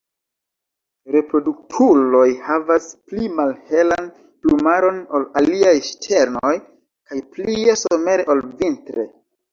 Reproduktuloj havas pli malhelan plumaron ol aliaj ŝternoj kaj plie somere ol vintre.